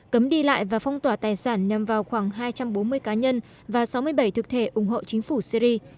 cấm đi lại và phong tỏa tài sản nhằm vào khoảng hai trăm bốn mươi cá nhân và sáu mươi bảy thực thể ủng hộ chính phủ syri